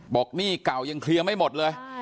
หนี้เก่ายังเคลียร์ไม่หมดเลย